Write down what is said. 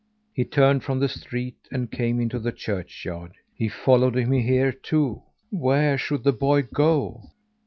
He turned from the street and came into the churchyard. He followed him here too! Where should the boy go?